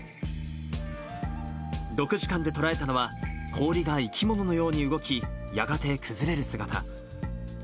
６時間で捉えたのは、氷が生き物のように動き、やがて崩れる姿。